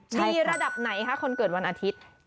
ระดับไหนคะคนเกิดวันอาทิตย์